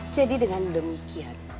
jadi dengan demikian